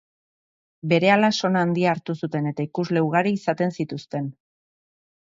Berehala sona handia hartu zuten eta ikusle ugari izaten zituzten.